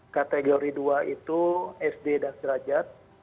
kategori dua itu sd dan serajat